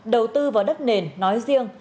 đầu tư vào đất nền nói riêng